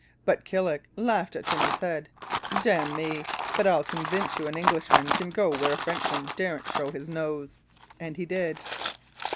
But Killick laughed at him and said: 'Damn me, but I'll convince you an Englishman can go where a Frenchman daren't show his nose!' And he did.